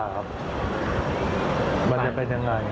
ใช่